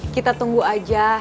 kita tunggu aja